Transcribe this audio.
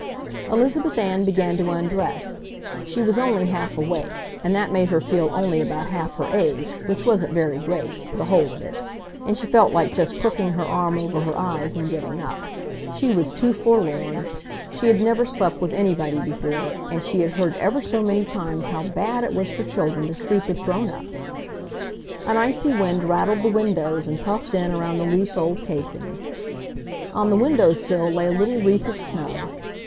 Elizabeth Ann began to undress. She was only half awake; and that made her feel only about half her age, which wasn't very great, the whole of it, and she felt like just crooking her arm over her eyes and giving up! She was too forlorn! She had never slept with anybody before, and she had heard ever so many times how bad it was for children to sleep with grown ups. An icy wind rattled the windows and puffed in around the loose old casings. On the window sill lay a little wreath of snow.